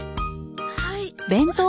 はい。